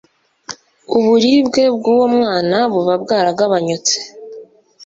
uburibwe bwuwo mwana buba bwaragabanyutse